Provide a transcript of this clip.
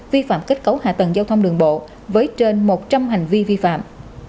vi phạm kết cấu hạ tầng giao thông đường bộ với trên một trăm linh hành vi vi phạm